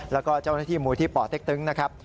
แล้วก็เจ้าหน้าที่มูลที่ป่อเต็กตึงนะครับ